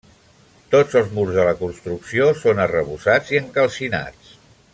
Tots els murs de la construcció són arrebossats i encalcinats.